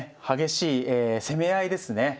激しい攻め合いですね。